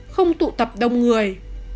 không tụ tập đông người